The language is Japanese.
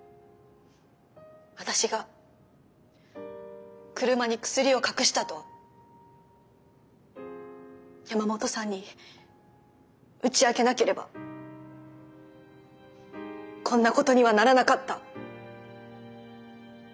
私が車にクスリを隠したと山本さんに打ち明けなければこんなことにはならなかった。